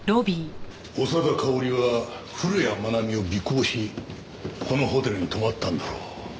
長田かおりは古谷愛美を尾行しこのホテルに泊まったんだろう。